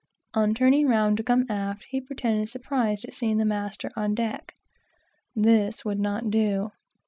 On turning round to come aft, he pretended surprise at seeing the master on deck. This would not do.